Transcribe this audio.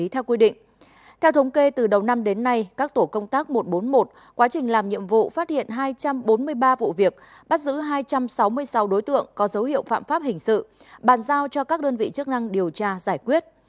theo thống kê từ đầu năm đến nay các tổ công tác một trăm bốn mươi một quá trình làm nhiệm vụ phát hiện hai trăm bốn mươi ba vụ việc bắt giữ hai trăm sáu mươi sáu đối tượng có dấu hiệu phạm pháp hình sự bàn giao cho các đơn vị chức năng điều tra giải quyết